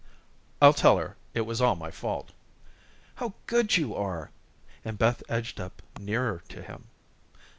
"I'll tell her it was all my fault." "How good you are," and Beth edged up nearer to him.